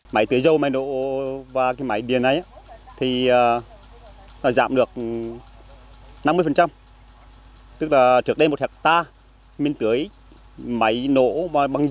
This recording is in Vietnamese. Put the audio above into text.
máy tưới dâu máy nổ và cái máy điện này thì giảm được năm mươi tức là trước đây một ha miên tưới máy nổ và bằng